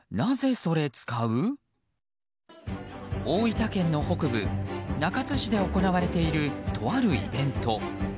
大分県の北部中津市で行われているとあるイベント。